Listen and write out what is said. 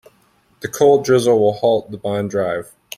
The cold drizzle will halt the bond drive.